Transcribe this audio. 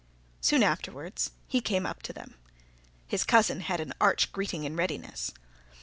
Soon afterwards he came up to them. His cousin had an arch greeting in readiness.